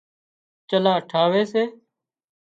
چلها ٺاوي سي